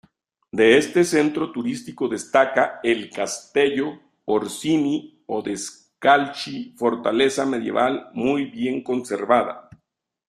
De este centro turístico destaca el Castello Orsini-Odescalchi, fortaleza medieval, muy bien conservada.